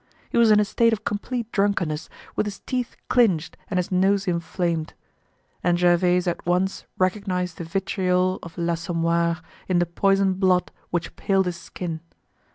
He was in a state of complete drunkenness, with his teeth clinched and his nose inflamed. And Gervaise at once recognized the vitriol of l'Assommoir in the poisoned blood which paled his skin.